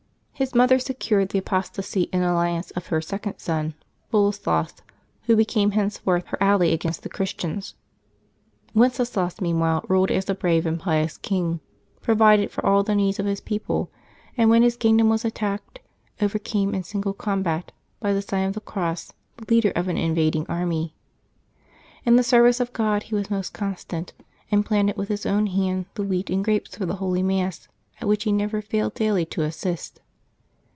His mother secured the apostasy and alliance of her second son, Boleslas, who became henceforth her ally against the Christians. Wen ceslas meanwhile ruled as a brave and pious king, pro vided for all the needs of his people, and when his kingdom was attacked, overcame in single combat, by the sign of the cross, the leader of an invading army. In the service of God he was most constant, and planted with his own hands the wheat and grapes for the Holy Mass, at which he never failed daily to assist.